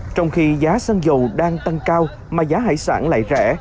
trong khi giá xăng dầu đang tăng cao mà giá hải sản lại rẻ